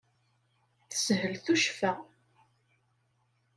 Teshel tuccfa.